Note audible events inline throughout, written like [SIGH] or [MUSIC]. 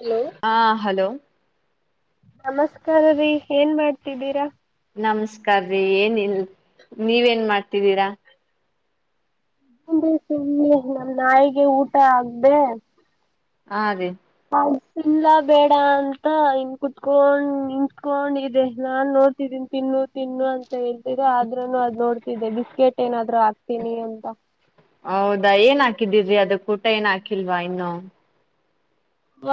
Hello ಹಾ hello ನಮಸ್ಕಾರ ರೀ ಏನ್ ಮಾಡ್ತಿದ್ದೀರಾ ನಮಸ್ಕಾರ್ರಿ ಏನಲ್ ನೀವೇನ್ ಮಾಡ್ತಿದ್ದೀರಾ [UNINTELLIGIBLE] ನಮ್ ನಾಯಿಗೆ ಊಟ ಆಗ್್ದ ಹ ಅದೇ ಲ್ಲ ಬೇಡ ಅಂತ ಇನ್ ಕುೂತ್ಕೊಂಡ್ ನಿಂತ್ಕೊಂಡ್ ಇದೆ ನಾನ್ ನೋಡ್ತಿದ್ದೀನಿ ತಿನ್ನು ತಿನ್ನು ಅಂತ ಹೇಳಿ ರ ಆದ್ರೂನು ಅದ್ ನೋಡ್ತಿದ್ದೆ ಬಿಸ್ಕೆಟ್ ಏನಾದ್ರೂ ಹಾಕ್ತೀನಿ ಅಂತ ಹಾಕಿದಿದ್ರರಿ ಅದ ಊಟ ಏನ್ ಹಾಕಿಲ್ವಾ ಇನ್ನು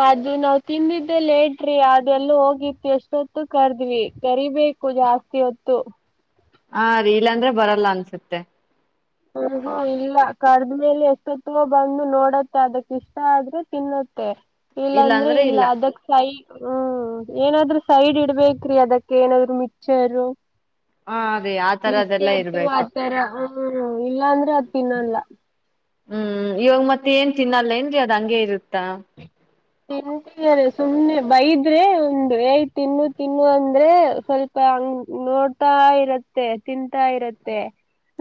ಅದು ನಾವ್ ತಿಂದಿದ್ದೆ ಲೇಟ್ರಿ ಅದೆಲ್ಲೂ ಹೋಗಿತ್ತು ಎಷ್ಟೊತ್ತು ಕರ್ದ್ವಿ ಕರಿಬೇಕು ಜಾಸ್ತಿ ಹೊತ್ತು ಹಾ ರೀಲ ಅಂದ್ರೆ ಬರಲ್ಲ ಅನ್ಸುತ್ತೆ ಹ ಇಲ್ಲ ಕಡದ್ಮೇಲೆ ಎಷ್ಟೊತ್ತಿಗೆ ಬಂದು ನೋಡತ್ತೆ ಅದಕ್ ಇಷ್ಟ ಆದ್ರೆ ತಿನ್ನತ್ತೆ ಇಲ್ಲಾಂದ್ರೆ ಇಲ್ಲ ಅದಕ್ ಸೈ ಹ್ಮ್ ಏನಾದ್ರೂ ಸೈಡ್ ಇಡ್ಬೇಕ್ರಿ ಅದಕ್ಕೆ ಏನಾದ್ರು ಮಿಕ್ಚರ್ ಹಾ ರೀ ಆತರದೆಲ್ಲ ಇರರ್ಬೇಕು ಇಲ್ಲಾ ಅಂದ್ರೆ ಅದ್ ತಿನ್ನಲ್ಲ ಹ್ಮ್ ಇವಾಗ ಮತ್ತೆ ಏನ್ ತಿನ್ನಲ್ಲೇಏನ್ರಿ ಅದ್ ಹಂಗೆ ಇರುತ್ತಾ ತಿಂದರೆ ಸುಮ್ನೆ ಬೈದ್ರೆ ಒಂದು ಏ ತಿನ್ನು ತಿನ್ನು ಅಂದ್ರೆ ಸ್ವಲ್ಪ ಹಂಗ ನೋಡ್ತಾ ಇರತ್ತೆ ತಿನ್ಂತಾ ಇರತ್ತೆ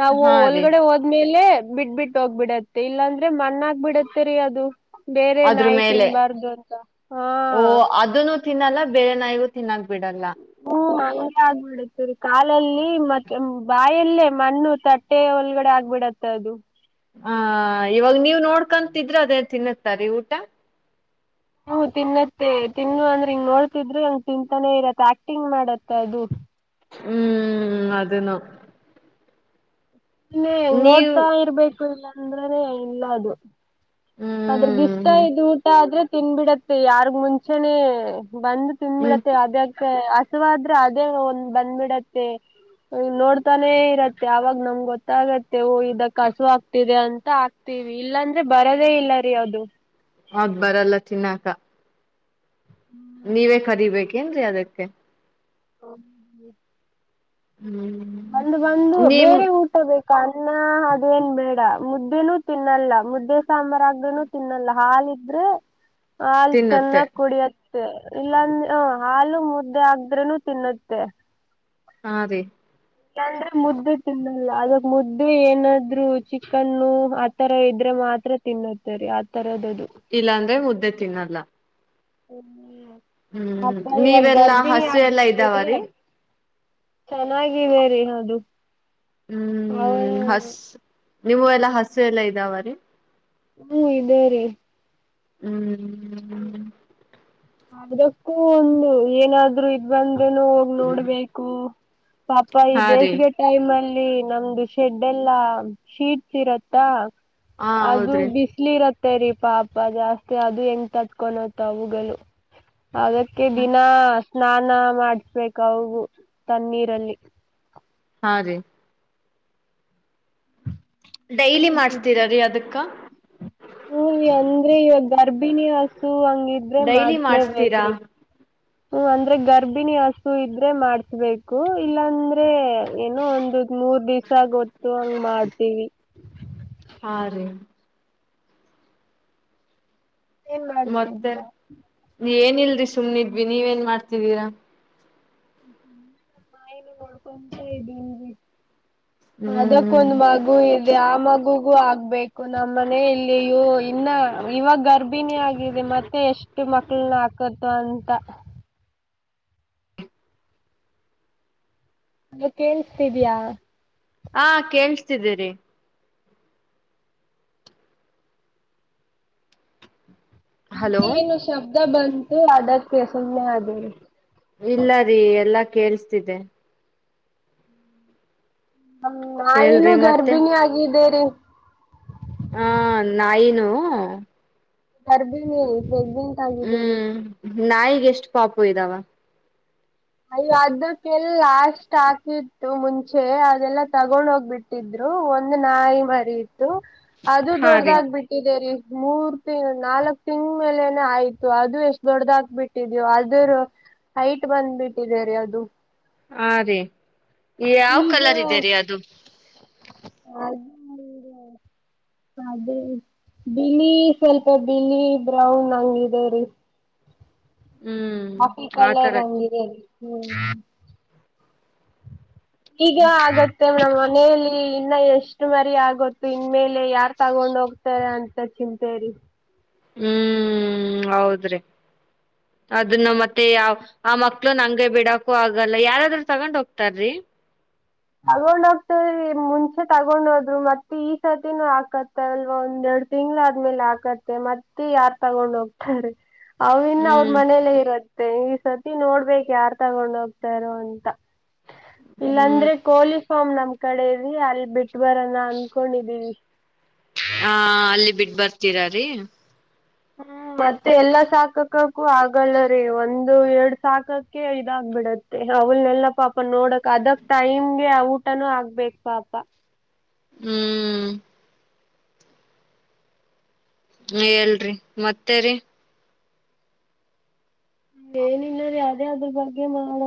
ನಾವು ಹಾ ರೀ ಒಳಗಡೆ ಹೋದ್ಮೇಲೆ ಇಲ್ಲೇ ಬಿಟ್ ಬಿಟ್ಟ ಹೋಗ್ಬಿಡತ್ತೆ ಇಲ್ಲಾಂದ್ರೆ ಮಣ್ಣಾಕ್ ಬಿಡತ್ತೆ ರೀ ಅದು ಬೇರೆ ಅದ್ರ ನಾಯಿ ಮೇಲೆ ತಿನ್ಬಾರ್ದು [UNINTELLIGIBLE] ತ ಹಾ ಓ ಅದನ್ನು ತಿನ್ನಲ್ಲ ಬೇರೆ ನಾಯವು ತಿನ್ನ ಬಿಡಲ್ಲ ಊಟ ಆಗ್ಬಿಡತ್ತ ರೀ ಕಾಲಲ್ಲಿ ಮತ್ತೆ ಬಾಯಲ್ಲೇ ಮಣ್ಣು ತಟ್ಟೆ ಒಳಗಡೆ ಆಗ್ಬಿಡತ್ತ ಅದು ಹ ಇವಾಗ ನೀವ್ ನೋಡ್ಕೊಂತಿದ್ರೆ ಅದೇ ತಿನ್ನುತ್ತಾರೀ ಊಟ ಹ್ಮ ತಿನ್ನತ್ತೆ ತಿನ್ನು ಅಂದ್ರೆ ಹಿಂಗ ನೋಡ್ತಿದ್ರೆ ಹಂಗ್ ತಿನ್ಂತಾನೆ ಇರತ್ತ ಆಕ್ಟಿಂಗ್ ಮಾಡತ್ತ ಅದು ಹ್ಮ್ ಅದನ್ನ ಇನ್ನ ನೋಡ್ತಾ ಇರರ್ಬೇಕು ಇಲ್ಲಾಂದ್ರನೆ ಇಲ್ಲ ಅದು ಅದ್ರಗ ಹ್ಮ್ ಇಷ್ಟ ಹ್ಮ್ ಇ ಊಟ ಆದ್ರೆ ತಿನ್ಬಿಡತ್ತೆ ಯಾರ್ಗ್ ಮುಂಚೆನೇ ಬಂದು ಹ್ಮ್ ತಿನ್ನುಬ್ಬಿಡತ್ತೆ ಅದ ಹಸುವಾದ್ರೆ ಅದೇ ಒಂದ್ ಬಂದ್ಬಿಡತ್ತೆ ನೋಡ್ತಾನೆ ಇರತ್ತೆ ಅವಾವಾಗ ನಮ್ಗೆ ಗೊತ್ತಾಗತ್ತೆ ಇದಕ್ ಹಸು ಆಗ್ತಿದೆ ಅಂತ ಆಗ್ತೀವಿ ಇಲ್ಲಾಂದ್ರೆ ಬರ ಇಲ್ಲ ರೀ ಯಾವದು ಅದು ಬರಲ್ಲ ತಿನ್ನಕ ನೀವೇ ಕರೀಬೇಕೇನ್ರರಿ ಅದಕ್ಕೆ [INAUDIBLE] ಹ್ಮ್ ಬಂದ್ ಬಂದು ನಿಮ್ ಬೇರೆ ಊಟ ಬೇ ಕನ್ನಾ ಅದೇನ್ ಬೇಡ ಮುದ್ದೆನೂ ತಿನ್ನಲ್ಲ ಮುದ್ದೆ ಸಾಂಬಾರಾಕ್ದೆನು ತಿನ್ನಲ್ಲ ಹಾಲ್ ಇದ್ರೆ ಹಾಲ್ ತಿನ್ನುತ್ತೆ ಚೆನ್ನಾಗ್ ಕುಡಿಯತ್ ಇಲ್ಲಾಂದ್ರ ಹು ಹಾಲು ಮುದ್ದೆ ಹಾಕ್ದ್ರುನು ತಿನ್ನುತ್ತೆ ಹಾ ರಿ ಇಲ್ಲಂದ್ರೆ ಮುದ್ದು ತಿನ್ನಲ್ಲ ಅದಕ್ ಮುದ್ದು ಏನಾದ್ರು ಚಿಕನ್ನು ಆತರ ಇದ್ರೆ ಮಾತ್ರ ತಿನ್ನುತ್ತೆರಿ ಆತರದ್ ಇಲ್ಲ ಅಂದ್ರೆ ಮುದ್ದೆ ತಿನ್ನಲ್ಲ ಹ್ಮ ಹ್ಮ್ ನೀವೆಲ್ಲಾ ಹಸು ಎಲ್ಲಾ ಆಗಿಬಿಟ್ಟಿದೆ ಇದಾವರಿ ಚೆನ್ನಾಗಿದೆ ರೀ ಹೌದು ಆಹ್ಹ್ ನೀವು ಎಲ್ಲಾ ಹಸು ಎಲ್ಲಾ ಇದಾವ ರೀ ಹ್ಮ ಇದೆೇ ರೀ ಹ್ಮ್ ಹ್ಮ್ ಅದಕ್ಕೂ ಒಂದು ಏನಾದ್ರು ಇದ್ ಬಂದು ನು ಹೋಗಗ್ ನೋಡ್ಬೇಕು ಪಾಪ ಈ ಹಾ ರೀ ಬೇಸಿಗೆ ಟೈಮಲ್ಲಿ ಲ್ಲಿ ನಮ್ದು ಶೆಡ್ ಎಲ್ಲಾ ಶೀಟ್ಸ್ ಇರತ್ತಾ ಹಾ ಅದು ಹೌದ್ರಿ ಬಿಸ್ಲಿ ಇರತ್ ರಿ ಪಾಪಾ ಜಾಸ್ತಿ ಅದು ಹೆಂಗೆ ತಟ್ಕೊಂಡುತ್ ಅವುಗಳು ಅದಕ್ಕೆ ದಿನಾ ಸ್ನಾನ ಮಾಡಿಸ್ಬೇಕ್ ಅವ್ಗು ತಣ್ಣೀರಲ್ಲಿ ಹಾ ರೀ ಏನ್ ಡೈಲಿ ಮಾಡ್ಸ್ತೀರ ರೀ ಅದುಕ್ಕ ಹಾಂ ಹು ರಿ ಅಂದ್ರೆ ಇವಗ್ ಗರ್ಭಿಣಿ ಹಸು ಹಂಗಿದ್ರೆ ಡೈಲಿ ಮಾಡ್ಸ್ತೀರಾ ಮಾಡ್ಸ್ಲೇಬೇಕ್ರಿ ಹ್ಮ ಅಂದ್ರೆ ಗರ್ಭಿಣಿ ಹಸು ಇದ್ರೆ ಮಾಡ್ಸ್ಬೇಕು ಇಲ್ಲಾಂದ್ರೆ ಏನೋ ಒಂದು ಮೂರ್ ದಿವ್ಸ ಗೊತ್ತು ಹಂಗ್ ಮಾಡ್ತೀವಿ ಹಾ ರೀ ಏನು ಮತ್ತೆ ಮಾಡ್ತಿದ್ದೀರಾ ಏನ್ ಏನಿಲ್ರಿ ಸುಮ್ನಿದ್ವಿ ನೀವೇನ್ ಮಾಡ್ತಿದ್ದೀರಾ? [UNINTELLIGIBLE] ನೋಡ್ಕೊಂತ ಇದಿನ್ರಿ ಹ್ಮ್ ಅದಕ್ಕೊಂದ್ ಮಗು ಇದೆ ಆ ಮಗುಗೂ ಆಗ್ಬೇಕ್ ನಮ್ಮನೆ ಇಲ್ಲಿಯೋ ಇನ್ನ ಇವಾಗ್ ಗರ್ಭಿಣಿ ಆಗಿದೆ ಮತ್ತೆ ಎಷ್ಟು ಮಕ್ಳನ್ನ ಹಾಕ ಅಂತ ಹಾಲೋ ಕೇಳ್ಸ್ತಿದಿಯಾ? ಹಾ ಕೇಳ್ಸ್ತಿದ್ದೀರಿ [INAUDIBLE] ಹಲೋ ಅಂದೆ ಏನು ಶಬ್ದ ಬಂತು ಅದಕ್ಕೆ ಸುಮ್ಮನೆ ಆದೇ ರೀ ಕೇೇಳಸ್ತಿದ್ದೆ ಹ ನಾಯಿನು ಹೇಳ್ರಿ ಮತ್ತೆ ಗರ್ಭಿಣಿ ಆಗಿದ್ದೇರಿ ಹಾ ನಾಯಿನು ಗರ್ಭಿಣಿ ಪ್ರೆಗ್ನೆಂಟ್ ಆಗಿದ್ಗೇರಿ ಎಷ್ಟ ಪಾಪು ಇದಾವ ಅಯ್ಯೋ ಅದಕ್ಕೆಲ್ಲ ಲಾಸ್ ಹಾಕಿತ್ತು ಮುಂಚೆ ಅದೆಲ್ಲ ತಗೊಂಡ್ ಹೋಗ್ಬಿಟ್ಟಿದ್ರು ಒಂದ್ ನಾಯಿ ಮರಿ ಅದು ಹಾ ರೀ ದೊಡ್ಡದಾಗ ಬಿಟ್ಟಿದೆೇರಿ ಮೂರ್ ತಿಂಗ ನಾಲ್ಕ್ ತಿಂಗ್ ಮೇಲೆನೆ ಆಯ್ತು ಅದು ಎಷ್ಟ್ ದೊಡ್ಡದ ಹಾಕ್ ಬಿಟ್ಟಿದೀವು ಅದರ ಹೈಟ್ ಬಂದ್ಬಿಟ್ಟ ಇರೆ [UNINTELLIGIBLE] ಅದು ಹಾ ರೀ ಯಾವ್ ಈಗ ಕಲರ್ ಇದೆರಿ ಅದು ಅದೇ ಬಿಳಿ ಸ್ವಲ್ಪ ಬಿಳಿ ಬ್ರೌನ್ ಹಂಗಿದ ರೀ ಹ್ಮ್ ಕಾಫಿ ಆತರ ಕಲರ್ಂಗರಿಲ್ಲಿ ಹ್ಮ್ ಈಗ ಆಗತ್ತೆ ಮೇಡಮ್ ಮನೆಯಲ್ಲಿ ಇಲ್ಲ ಎಷ್ಟು ಮರಿ ಆಗತ್ತು ಇನ್ ಮೇಲೆ ಯಾರ್ ತಗೊಂಡ್ ಹೋಗ್ತಾರ ಅಂತ ಚಿಂತೇರಿ ಹ್ಮ್ ಹೌದ್ರಿ ಅದನ್ನು ಮತ್ತೆ ಯಾವ ಆ ಮಕ್ಳು ಹಂಗೆ ಬಿಡಕೂ ಆಗಲ್ಲ ಯಾರಾದ್ ತಗೊಂಡ್ ಹೋಗ್ತಾರ್ರಿ ತಗೊಂಡ್ ಹೋಗ್ತಾರ ಮುಂಚೆ ತಗೊಂಡ್ ಹೋದ್ರು ಮತ್ತೆ ಈ ಸರ್ತಿನೂ ಆಕತ್ತ ಅಲ್ವಾ ಒಂದೆರಡು ತಿಂಗ್ಳ ಆದ್ಮೇಲೆ ಆಕತ್ತ ಮತ್ತೆ ಯಾರ್ ತಗೊಂಡ ಹೋಗ್ತಾರ ಅವ ಇನ್ನ ಅವ್ರ ಹ್ಮ್ ಮನೇಲ್ಲೇ ಇರೋದು ಮೆ ಈ ಸತಿ ನೋಡ್ಬೇಕೇಕ್ ಯಾರ್ ತಗೊಂಡ ಹೋಗ್ತಾರೋ ಅಂತ ಹ್ಮ್ ಇಲ್ಲಾಂದ್ರೆ ಯೂನಿಫಾರ್ಮ್ ನಮ್ ಕಡೆ ಇವಿ ಅಲ್ಲಿ ಬಿಟ್ಟು ಬರ ನ ಅನ್ಕೊಂಡಿದ್ದೀವಿ ಹಾ ಅಲ್ಲಿ ಬಿಟ್ಟ ಬರ್ತೀರಾರೀ ಹ್ಮ್ ಮತ್ತೆ ಎಲ್ಲಾ ಸಾಕಕಕ್ಕೂ ಆಗಲ್ಲರಿ ಒಂದು ಎರಡ್ ಸಾಕಕ ಇದಾಗಬಿಡತ್ತೆ ಅವಲ್ನೆಲ್ಲ ಪಾಪ ನೋಡಕ್ ಅದಕ್ ಟೈಮ್ಗೆ ಆ ಊಟನೂ ಹಾಕ್ಬೇಕು ಪಾಪ ಹ್ಮ್ ಹೇಳ್ರಿ ಮತ್ತೇರಿ ಏನಿಲ್ಲ ರೀ ಯಾವ್ದೇ ಅದ್ರ ಬಗ್ಗೆ ಮಾಡಣ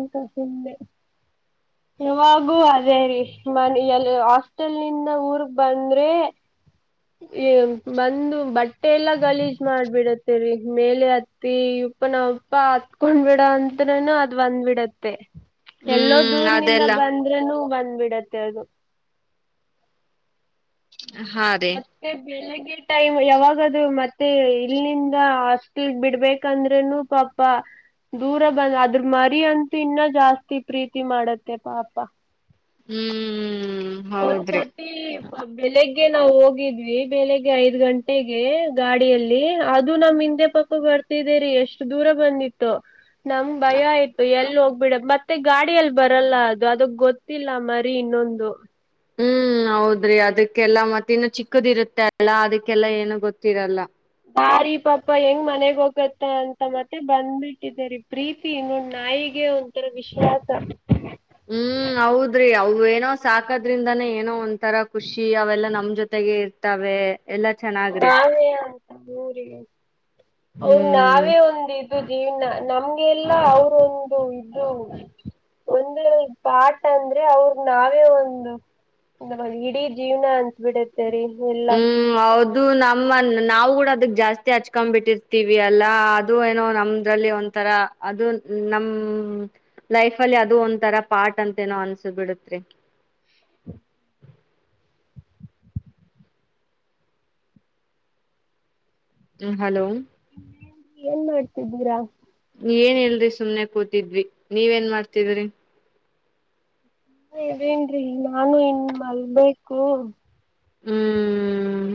ಅಂತ ಸುಮ್ನೆ ಇವಾಗೂ ಅದೇ ರೀ ಮನ ಎಲ್ಲಿ ಹಾಸ್ಟೆಲ್ ನಿಂದ ಊರ್ಗ್ ಬಂದ್ರೆ ಏ ಬಂದು ಬಟ್ಟ ಎಲ್ಲಾ ಗಲೀಜ್ ಮಾಡ್ಬಿಡತ್ತೇರಿ ಮೇಲೆ ಹತ್ತಿ ಇವಪ್ಪ ನಾವಪ್ಪ ಹತ್ಕೊಂಡ್ ಬಿಡ ಅಂದ್ರನು ಅದ್ ಬಂದ್ಬಿಡತ್ತೆ ಎಲ್ಲೋ ಹ್ಮ್ ದೂರ್ನಿಂದ ಅದೆಲ್ಲ ಬಂದ್ರೆನು ಬಂದ ಬಿಡತ್ತೆ ಅದು ಹಾ ರೇ ಈ ಟೈಮ್ ಯಾವಾಗದು ಮತ್ತೆ ಇಲ್ಲಿಂದ ಹಾಸ್ಟೆಲ್ ಬಿಡ್ಬೇಕಂದ್ರನು ಪಾಪ ದೂರ ಬಂದ ಅದ್ರ ಮರಿ ಅಂತೂ ಇನ್ನ ಜಾಸ್ತಿ ಪ್ರೀತಿ ಮಾಡತ್ತೆ ಪಾಪ ಹೂ ಒಂದ್ ಸತಿ ಬೆಳಗೆ ಗೆ ನಾವ್ ಹೋಗಿದ್ವಿ ಬೆಳಿಗ್ಗೆ ಐದ್ ಗಂಟೆಗೆ ಗಾಡಿಯಲ್ಲಿ ಅದು ನಮ್ ಹಿಂದೆ ಪಕ್ಕ ಬರ್ತಿದ್ದೇರಿ ಎಷ್ಟು ದೂರ ಬಂದಿತ್ತು ನಮ್ ಭಯ ಆಯ್ತು ಎ ಬಿಡ ಮತ್ತೆ ಗಾಡಿಯಲ್ಲಿ ಬರಲ್ಲ ಅದು ಅದ ಗೊತ್ತಿಲ್ಲ ಮರಿ ಇನ್ನೊಂದು ಹ್ಮ್ ಹೌದ್ರಿ ಅದಕ್ಕೆಲ್ಲಾ ಮತ್ತ ಇನ್ನು ಚಿಕ್ಕದಿರುತ್ತೆ ಅಲ್ಲ ಅದಕ್ಕೆಲ್ಲಾ ಏನು ಗೊತ್ತಿರಲ್ಲ ಹ ರೀ ಪಾಪಾ ಹೆಂಗ್ ಮನೆಗ್ ಹೋಗತ್ತ ಅಂತ ಮತ್ತೆ ಬಂದ್ಬಿಟ್ಟಿದರಿ ಪ್ರೀತಿ ನೋಡ್ ನಾಯಿಗೆ ಒಂಥರ ವಿಷಾತ ನಾವು ಸಾಕದ್ರಿಂದಾನೇ ಏನೋ ಒಂಂತರ ಖುಷಿ ಅವೆಲ್ಲಾ ನಮ್ ಜೊತೆಗೆ ಇರ್ತವೆ ನಾವೇ ಆಯ ರಿಗೆ ಅವರು ಹ್ಮ್ ನಾವೇ ಒಂದ ಇದು ಜೀವ್ನ ನಮ್ಗೆಲ್ಲ ಅವ್ರ ಒಂದು ಇದು ಒಂದು ಪಾಠ ಅಂದ್ರೆ ಅವ್ರ ನಾವೇ ಒಂದು ಇಡೀ ಜೀವ್ನ ಅನ್ಸಬಿಡುತ್ತೆ ಸರಿ ಇಲ್ಲ ಅದು ನಮ್ಮ ನಾವು ಕೂಡ ಅದಕ್ ಜಾಸ್ತಿ ಹಚ್ಕೊಂಡ್ ಬಿಟ್ಟಿರ್ತಿವಲ್ಲ ಅಲ್ಲಾ ಅದು ಏನೋ ನಮ್ರಲ್ಲಿ ಒಥರ ಅದು ನಮ ಲೈಫ್ ಅಲ್ಲಿ ಅದು ಒಂಥರ ಪಾರ್ಟ್ ಅಂತ ಏನೋ ಅನ್ಸ್ಬಿಡುತ್ತೆ [UNINTELLIGIBLE] ಹ್ಮ ಹಲೋ ಏನ್ ಮಾಡ್ತಿದ್ದೀರಾ ಏನಿಲ್ರೀ ಸುಮ್ನೆ ಕೂತಿದ್ವಿ ನೀವ ನ್ ಮಾಡ್ತಿದ್ರಿ ಹ ಇದೇನ್ರೀ ನಾನು ಇನ್ ಮಲ್ಬೇಕು ಹ್ಮ್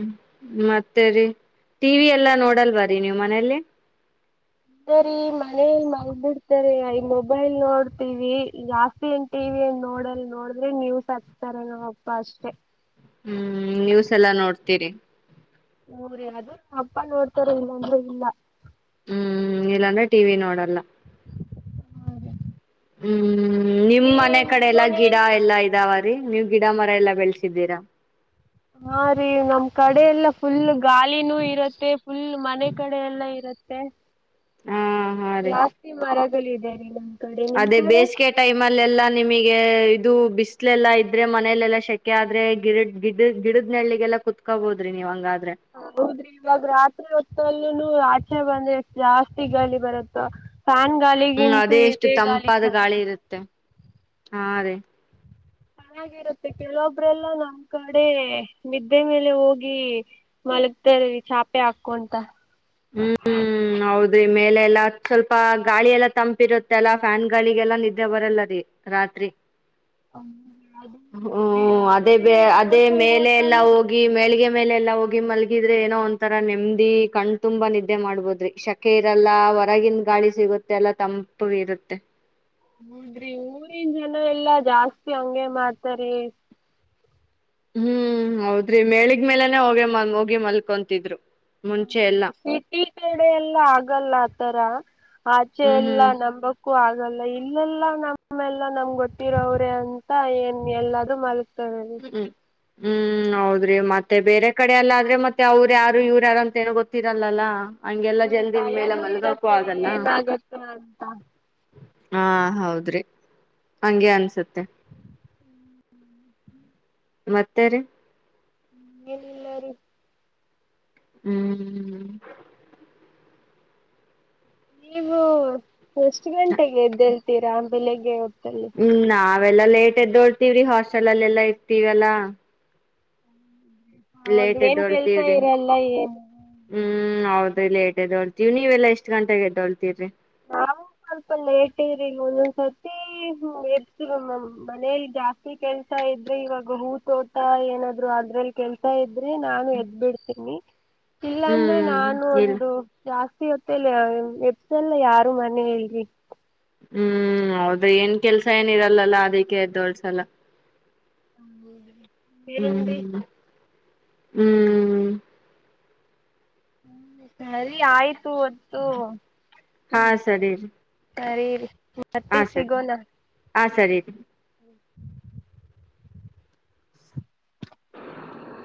ಮತ್ತೆ ರರಿ ಟಿವ ವಿ ಎಲ್ಲ ನೋಡಲ್ವರಿ ನೀವು ಮನೇಲಿ ಅದೇ ರೀ ಮನೇಲ್ ಮಲಗ್ಬಿಡ್ತಾರೆ ಈ ಮೊಬೈಲ್ ನೋಡ್ತೀವಿ ಜಾಸ್ತಿ ಏನ್ ಟಿವ ಏನ್ ನೋಡಲ್ ನೋಡ್ರೆ ನೀವಸ್ ಹಕ್ತಾರ ನಾವಪ್ಪ ಅಷ್ಟೇ ಹ್ಮ್ ನೀವ್ಸ ಎಲ್ಲ ನೋಡ್ತೀರಿ ಹೋ್ರೀ ಅದ ಅಪ್ಪ ನೋಡ್ತಾರ ಇಲ್ಲಾಂದ್ರೆ ಇಲ್ಲ ಹ್ಮ್ ಇಲ್ಲಾಂದ್ರೆ ಟಿ ವಿ ನೋಡಲ್ಲ ಹ್ಮ್ ಹ್ಮ್ ನಿಮ್ ನೀ ಮನೆ ನಿಮ್ ಕಡೆ ಎಲ್ಲಾ ಗಿಡ ಮನೇಲಿ ಎಲ್ಲಾ ಇದಾವ ರಿ ನೀವ್ ಗಿಡ ಮರ ಎಲ್ಲಾ ಬೆಳೆಸಿದ್ದೀರಾ ಹಾ ರೀ ನಮ್ ಕಡೆ ಎಲ್ಲ ಫುಲ್ ಗಾಳಿನೂ ಇರತ್ತೆ ಫುಲ್ ಮನೆ ಕಡೆ ಎಲ್ಲ ಇರತ್ತೆ ತ್ತ ಹಾ ಹಾ ರೀ ಜಾಸ್ತಿ ಮರ ಗಲಿದೆ ಅಂತಾ ಅದೇ ಬೇಸಿಗೆ ಟೈಮ್ ಅಲ್ಲ ಎಲ್ಲಾ ನಿಮಗೆ ಇದು ಬಿಸ್ಲೆಲ್ಲ ಇದ್ರೆ ಮನಲೆೆಲ್ಲಾ ಶೆಕೆ ಆದ್ರೆ ಗಿಡ ಗಿಡ ಗಿಡದ್ ನಳ್ಳಿಗೆಲ್ಲ ಕುೂತ್ಕೋಬಹದ್ರಿ ನೀವು ಹಂಗ್ರ ಹ ಹೌದ್ರಿ ಇವಾಗ ರಾತ್ರಿ ಹೊತ್ತಲ್ಲೂ ಆಚೆ ಬಂದ್ರೆ ಜಾಸ್ತಿ ಗಾಳಿ ಬರುತ್ತ ಫ್ಯಾನ್ ಹ್ಮ್ ಗಾಳಿಗಿಂತ ಅದೇ ಎಷ್ಟು ಇದೇ ಗಾಳಿ ತಂಪಾದ ಚೆನ್ನಾಗಿ ಇರುತ್ತೆ ಹಾ ಅದೇ ಚೆನ್ನಾಗಿರುತ್ತೆ ಕೆಲವೊಬ್ರಲ್ಲ ನಮ್ ಕಡೆ ನಿದ್ದೆ ಮೇಲೆ ಹೋಗಿ ಮಲಗ್ತರ್ವಿ ಚಾಪೆ ಹಾಕೊಂತ ಹ್ಮ್ ಹ್ಮ್ ಹೌದೇ ಮೇಲೆ ಎಲ್ಲಾ ಸ್ವಲ್ಪ ಗಾಳಿ ಎಲ್ಲಾ ತಂಪಿರುತ್ತೆ ಅಲ್ಲ ಫ್ಯಾನ್ ಗಾಳಿಗೆಲ್ಲಾ ನಿದ್ದೆ ಬರಲ್ಲ ರೀ ರಾತ್ರಿ ಅದು ಹ್ಮ ಅದೇ ಹಂಗೆ ಅದೇ ಓಡ್ತಾ ಮೇಲೆ ಎಲ್ಲಾ ಓಡ್ತಾನೆ ಹೋಗಿ ಮೇಳಗೆ ಮೇಲೆ ಎಲ್ಲಾ ಹೋಗಿ ಮಲ್ಲಿಗೆ ಗಿದ್ರೆ ಏನೋ ಒಂತರಾ ನೆಮ್ಮದಿ ಕಣ ತುಂಬಾ ನಿದ್ದೆ ಮಾಡ್ಬೋದ್ರಿ ಶಕೆ ಇರಲ್ಲ ಹೊರಗನ್ ಗಾಳಿ ಸಿಗುತ್ತೆ ಎಲ್ಲಾ ತಂಪು ಇರುತ್ತೆ ಹೌದ್ರಿ ಊರಿನ್ ಜನ ಎಲ್ಲಾ ಜಾಸ್ತಿ ಹಂಗಗೆ ಮಾಡ್ತಾರ ಹ್ಮ್ ಹೌದ್ರಿ ಮೆಳಗ್ ಮೇಲೆನೆ ಹೋಗಿ ಮ ಹೋಗಿ ಮಲ್ಕೊಂತಿದ್ರು ಮುಂಚೆ ಎಲ್ಲ ಹ ಸಿಟಿ ಕಡೆ ಎಲ್ಲಾ ಆಗಲ್ಲ ಆತರ ಆಚೆ ಹ್ಮ್ ಇಲ್ಲ ಹ್ಮ್ ನಂಬಕ್ಕೂ ಆಗ ಲ್ಲ ಇಲ್ಲೆಲ್ಲ ನಮ್ಮೆಲ್ಲ ನಮ್ ಗೊತ್ತಿರೋ್ರೆ ಅಂತ ಏನ್ ಎಲ್ಲದುೂ ಮಲ್ ಹ್ಮ್ ಹ್ಮ್ ಹ್ಮ್ ಹೌದು ಅವ್ರಿ ಮತ್ತೆ ಬೇರೆ ಕಡೆಯಲ್ಲ ಆದ್ರೆ ಮತ್ತೆ ಅವ್ರು ಯಾರು ಇವ್್ರ ಯಾರು ಅಂತ ಏನೋ ಗೊತ್ತಿರಲ್ಲಲ್ಲ ಹಂಗೆಲ್ಲ ಹ್ಮ್ ಜಲ್ದಿನ ಮೇಲೆ ಭಯನೂ ಮಲ್ಗಕ್ಕೂ ಇರತ್ತೇರಿ ಆಗಲ್ಲ ಏನ್ಾಗುತ್ತ ಅಂತ ಹಾ ಹೌದ್ರಿ ಹಂಗೆ ಅನ್ಸುತ್ತೆ ಹ್ಮ್ ಹ್ಮ ಮತ್ತೇರಿ ಹೇನ ಎಲ್ಲಾರ ಹ್ಮ್್ಮ ನೀವು ಎಷ್ಟು ಗಂಟೆಗೆ ಎದ್ದೇಳ್ತೀರಾ ಬೆಳಗ್ಗೆ ಹ್ಮಾ ಅವೆಲ್ಲಾ ಲೇಟ್ ಎದ್ದೋಳ್ತೀವ್ರಿ ಹಾಸ್ಟೆಲ್ ಅಲ್ಲ ಎಲ್ಲಾ ಇರ್ತಿವಲ್ಲಾ ಅವಾಗ ಲೇಟ್ ಏನ್ ಕೆಲ್ಸ ಎದ್ದೋಳ್ತೀವ್ರಿ ಇರಲ್ಲ ಏನು ೇಟ್ದೋಳ್ತೀವಿ ನೀವವೆಲ್ಲ ಎಷ್ಟ್ ಗಂಟೆಗೆದೋಳ್ತಿೀ್ರರಿ ನಾವು ಸ್ವಲ್ಪ ಲೇಟ್ ಇ್ರಿ ಒಂದೊಂದ್ಸರ್ತಿ ಎಪ್ಸಮ್ಮ್ ಮನೇಲಿ ಜಾಸ್ತಿ ಕೆಲ್ಸ ಇದ್ರೆ ಇವಾಗ ಹೂ ತೋಟ ಏನಾದ್ರು ಅದ್ರಲ್ಲಿ ಕೆಲ್ಸ ಇದ್ರ ಆದ್ರೆ ನಾನು ಎದ್ ಬಿಡ್ತೀನಿ ಇಲ್ಲಾ ಅಂದ್ರೆ ಹ್ಮ್ ನಾನು ಇಲ್ಲ ಒಂದು ಜಾಸ್ತಿ ತ್ತ ಎಸೆಲ್ ಯಾರು ಮನ್ನ ಹೇಳಳ್ಿ [UNINTELLIGIBLE] ಹ್ಮ್ ಹೌದ್ರ ಏನ್ ಕೆಲ್ಸ ಏನ ಇರಲ್ಲಲ್ಲ ಅದಕ್ಕೆ ಎದ್ದೋಳ್ಸಲ ಹ್ಮ ಬೇರೆಂದ [UNINTELLIGIBLE] ಹ್ಮ್ ಹ್ಮ್ ಹ್ಮ ಸರಿ ಆಯ್ತ್ ಹಾ ಸರಿ ಸರಿೀರಿ ಮತ್ತೆ ಸಿಗೋಣ ಹಾಂ ಸರಿ ರೀ ಹ್ಮ [INAUDIBLE]